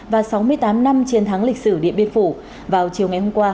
và sáu mươi tám năm chiến thắng lịch sử điện biên phủ vào chiều ngày hôm qua